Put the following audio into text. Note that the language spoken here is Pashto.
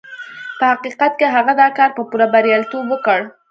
په حقيقت کې هغه دا کار په پوره برياليتوب وکړ.